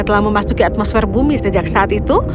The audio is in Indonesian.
telah memasuki atmosfer bumi sejak saat itu